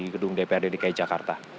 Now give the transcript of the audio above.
pemimpin dprd dki jakarta